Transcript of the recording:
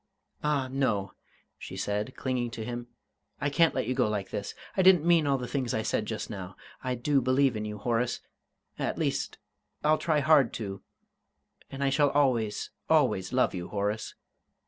"Ah, no!" she said, clinging to him, "I can't let you go like this. I didn't mean all the things I said just now. I do believe in you, Horace at least, I'll try hard to.... And I shall always, always love you, Horace....